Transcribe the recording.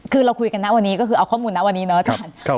คือเราคุยกันนะวันนี้ก็คือเอาข้อมูลนะวันนี้เนาะอาจารย์